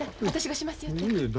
私がしますよって。